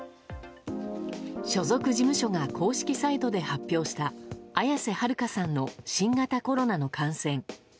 所属事務所が公式サイトで発表した綾瀬はるかさんの新型コロナの感染。